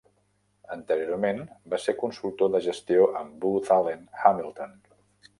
Anteriorment, va ser consultor de gestió amb Booz Allen Hamilton.